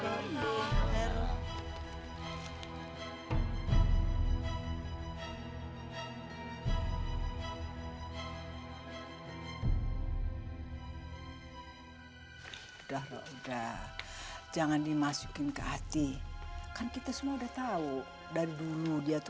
udah udah jangan dimasukin ke hati kan kita semua udah tahu dari dulu dia tuh